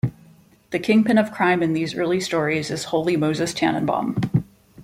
The kingpin of crime in these early stories is Holy Moses Tanenbaum.